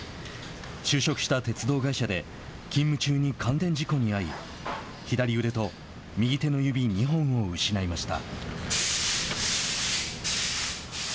就職した鉄道会社で勤務中に感電事故に遭い左腕と右手の指２本を失いました。